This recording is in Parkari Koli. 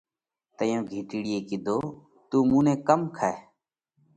تئيون گھيٽڙيئہ ڪِيڌو: تُون مُون نئہ ڪم کائِيه؟